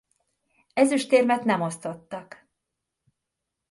Ezüstérmet nem osztottak.